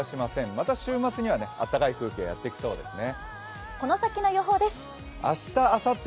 また週末にはあったかい空気がやってきそうですね。